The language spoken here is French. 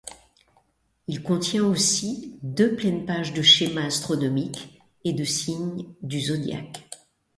Il contient aussi deux pleines pages de schémas astronomiques et de signes du zodiaques.